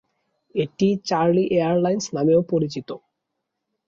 এটি "Charlie Airlines" নামেও পরিচিত।